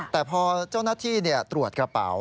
แต่พอเจ้าหน้าที่ตรวจกระเป๋า